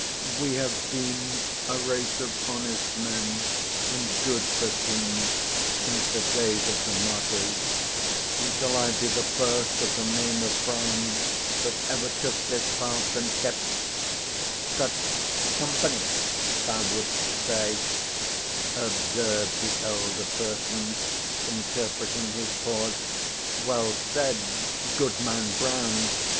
We have been a race of honest men and good Christians since the days of the martyrs; and shall I be the first of the name of Brown that ever took this path and kept—" "Such company, thou wouldst say," observed the elder person, interpreting his pause. "Well said, Goodman Brown!